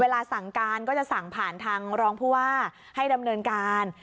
สั่งการก็จะสั่งผ่านทางรองผู้ว่าให้ดำเนินการ